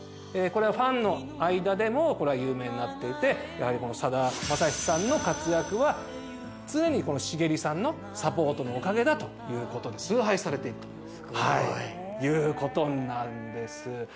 これはファンの間でもこれは有名になっていて、さだまさしさんの活躍は、常にこの繁理さんのサポートのおかげだということで、崇拝されているということになるんですよ。